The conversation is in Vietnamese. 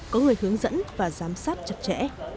có người hướng dẫn và giám sát chặt chẽ